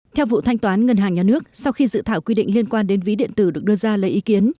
theo vụ thanh toán ngân hàng nhà nước sau khi dự thảo quy định liên quan đến ví điện tử được đưa ra lấy ý kiến